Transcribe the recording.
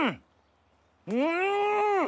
うん！